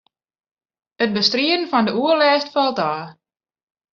It bestriden fan de oerlêst falt ôf.